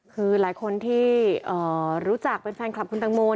คือหลายคนที่รู้จักเป็นแฟนคลับคุณตังโม